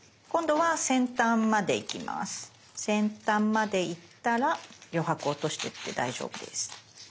先端まで行ったら余白落としてって大丈夫です。